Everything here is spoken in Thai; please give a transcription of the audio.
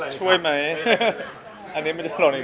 ช่วยไหม